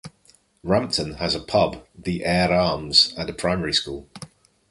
Rampton has a pub, the Eyre Arms, and a primary school.